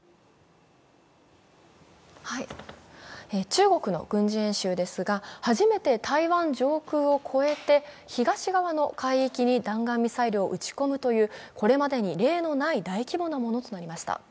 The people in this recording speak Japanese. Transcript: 中国の軍事演習ですが、初めて台湾上空を越えて、東側の海域に弾道ミサイルを撃ち込むというこれまでに例のない大規模なものとなりました。